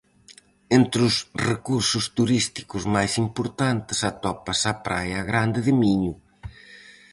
Entre os recursos turísticos máis importantes atópase a praia Grande de Miño.